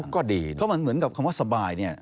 ก็ดีเพราะมันเหมือนกับคำว่าสบายเนี่ย